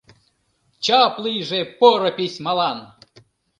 Чап лийже поро письмалан!